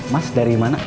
mas dari mana